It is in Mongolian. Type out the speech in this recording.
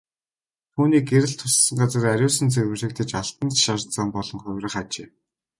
Түүний гэрэл туссан газар ариусан цэвэрлэгдэж алтан шар зам болон хувирах ажээ.